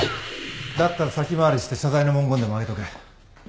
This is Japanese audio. だったら先回りして謝罪の文言でも上げとけ。